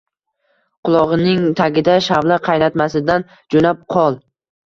Qulog‘ingning tagida shavla qaynatmasimizdan jo‘nab qol